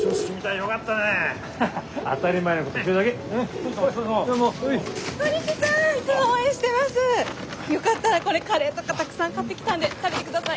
よかったらこれカレーとかたくさん買ってきたんで食べて下さい。